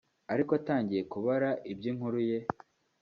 Ariko atangiye kubara iby’inkuru ye